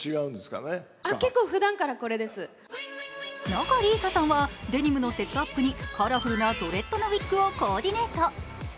仲里依紗さんはデニムのセットアップにカラフルなドレッドのウィッグをコーディネート。